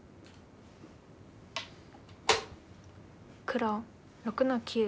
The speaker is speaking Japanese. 黒６の九。